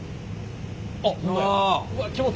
あっ。